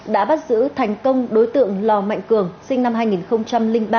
đã bắt giữ thành công đối tượng lò mạnh cường sinh năm hai nghìn ba